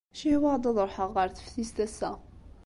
Cihwaɣ-d ad ṛuḥeɣ ɣer teftist ass-a.